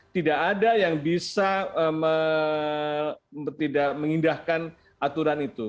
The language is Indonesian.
tidak ada yang bisa mengindahkan aturan itu